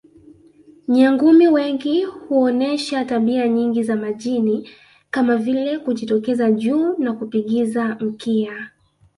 Nyangumi wengi huonesha tabia nyingi za majini kama vile kujitokeza juu na kupigiza mkia